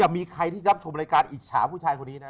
ไม่มีใครชมไลการอิจฉาผู้ชายคนนี้น่ะ